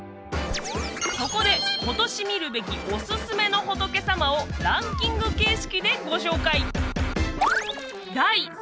そこで今年見るべきおすすめの仏様をランキング形式でご紹介！